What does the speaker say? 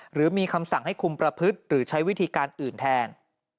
หรือมีคำสั่งให้คุมประพฤติหรือใช้วิธีการอื่นแทน